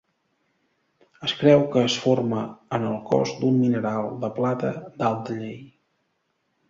Es creu que es forma en el cos d'un mineral de plata d'alta llei.